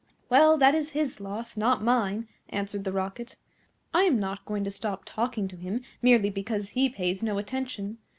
"Well, that is his loss, not mine," answered the Rocket. "I am not going to stop talking to him merely because he pays no attention.